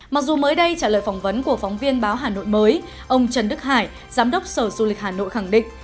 mặc dù mới đây trả lời phỏng vấn của phóng viên báo hà nội mới ông trần đức hải giám đốc sở du lịch hà nội khẳng định